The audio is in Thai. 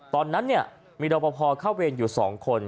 ตอนนั้นมีรอปภเข้าเวรอยู่๒คน